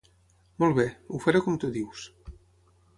Molt bé; ho faré com tu dius.